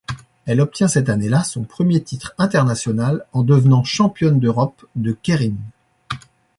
Elle obtient cette année-là, son premier titre international en devenant championne d'Europe de keirin.